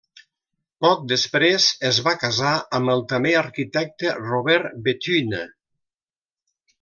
Poc després es va casar amb el també arquitecte Robert Béthune.